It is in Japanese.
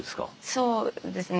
そうですね。